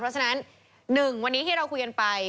เพราะฉะนั้น๑วันนี้ที่เราคุยกันไป